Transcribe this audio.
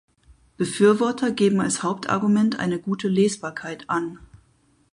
Befürworter geben als Hauptargument eine gute Lesbarkeit an.